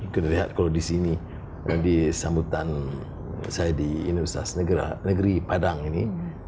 kita lihat kalau di sini di sambutan saya di universitas negeri padang ini